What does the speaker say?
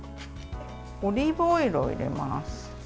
オリーブオイルを入れます。